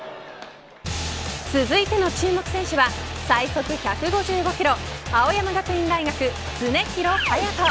続いての注目選手は最速１５５キロ青山学院大学、常廣羽也斗。